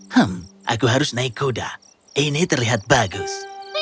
hmm aku harus naik goda ini terlihat bagus